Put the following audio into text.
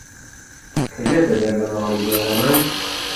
کە دێتە دەر لە ماڵی دەوڵەمەند